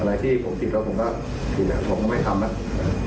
อะไรที่ผมผิดแล้วผมก็ผิดแล้วผมก็ไม่ทำแล้ว